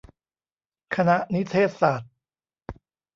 คณะนิเทศศาสตร์